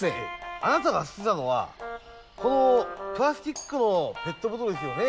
あなたが捨てたのはこのプラスチックのペットボトルですよね？